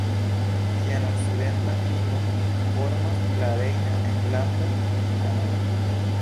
Ĝian okcidentan limon formas la Rejna Enlanda Kanalo.